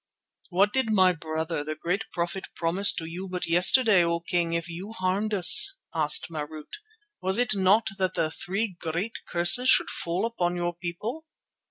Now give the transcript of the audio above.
"What did my brother, the great Prophet, promise to you but yesterday, O King, if you harmed us?" asked Marût. "Was it not that the three great curses should fall upon your people?